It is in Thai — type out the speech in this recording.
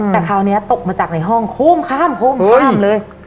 แต่คราวนี้ตกมาจากในห้องโค้มข้ามโค้มข้ามเลย